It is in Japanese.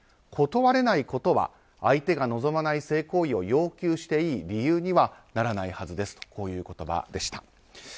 断れないことは相手が望まない性行為を要求していい理由にはならないはずですとこういう言葉でした。